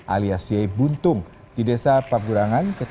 alias y buntung di desa paburangan